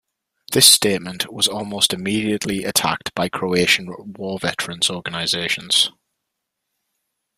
This statement was almost immediately attacked by Croatian war veterans' organizations.